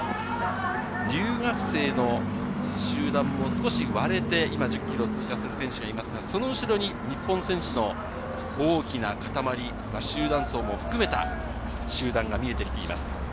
留学生の集団も少し割れて、１０ｋｍを通過する選手がいますが、その後ろに日本選手の大きな固まり、集団走も含めた集団が見えてきています。